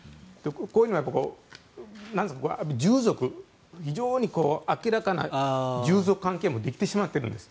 こういうのは従属非常に明らかな従属関係もできてしまってるんです。